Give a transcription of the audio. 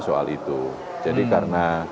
soal itu jadi karena